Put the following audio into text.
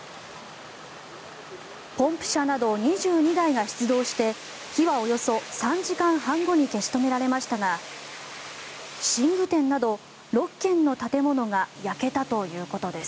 ポンプ車など２２台が出動して火はおよそ３時間半後に消し止められましたが寝具店など６軒の建物が焼けたということです。